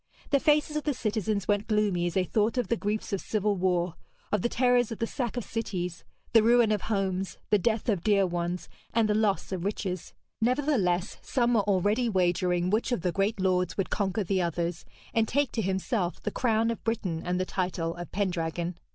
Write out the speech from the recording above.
The faces of the citizens went gloomy as they thought of the griefs of civil war, of the terrors of the sack of cities, the ruin of homes, the death of dear ones, and the loss of riches. Nevertheless, some were already wagering which of the great lords would conquer the others, and take to himself the crown of Britain and the title of Pendragon.